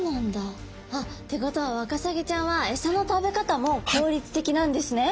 あ！ってことはワカサギちゃんはエサの食べ方も効率的なんですね。